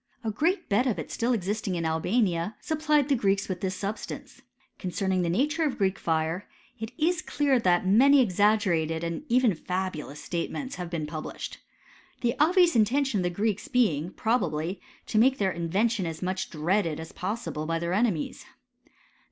A great bed of it still existing in Albania, supplied the Greeks with this substance. Concerning the nature of the Greek fire, it is clear that many ex aggerated and even fabulous statements have been published. The obvious intention of the Greeks be ing, probably, to make their invention as much dread ed as possible by their enemies.